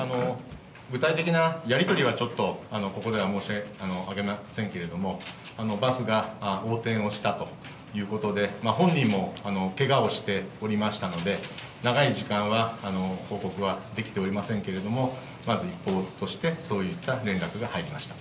具体的なやり取りはちょっとここでは申し上げませんけれども、バスが横転をしたということで、本人もけがをしておりましたので、長い時間は報告はできておりませんけれども、まず一報としてそういった連絡が入りました。